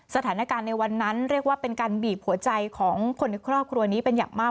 สถานการณ์ในวันนั้นเรียกว่าเป็นการบีบหัวใจของคนในครอบครัวนี้เป็นอย่างมาก